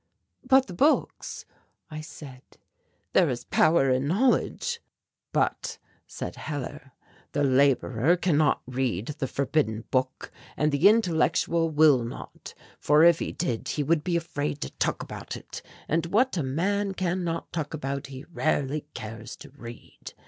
"But the books," I said, "there is power in knowledge." "But," said Hellar, "the labourer can not read the forbidden book and the intellectual will not, for if he did he would be afraid to talk about it, and what a man can not talk about he rarely cares to read.